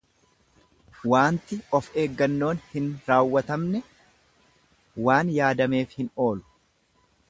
Waanti of eeggannoon hin raawwatamne waan yaadameef hin oolu.